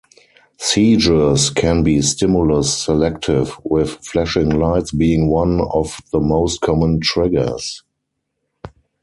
Seizures can be stimulus-selective, with flashing lights being one of the most common triggers.